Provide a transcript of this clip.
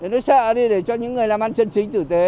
nó sợ đi để cho những người làm ăn chân chính tử tế